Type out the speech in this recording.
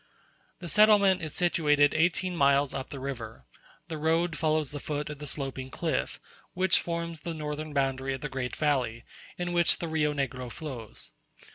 The settlement is situated eighteen miles up the river. The road follows the foot of the sloping cliff, which forms the northern boundary of the great valley, in which the Rio Negro flows.